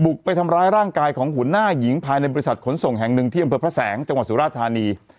ไปทำร้ายร่างกายของหัวหน้าหญิงภายในบริษัทขนส่งแห่งหนึ่งที่อำเภอพระแสงจังหวัดสุราธานี